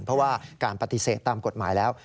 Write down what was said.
เพราะว่าการปฏิเสธตามกฎหมายแล้ว